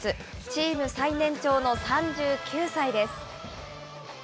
チーム最年長の３９歳です。